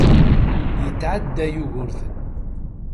Yetɛedda Yugurten.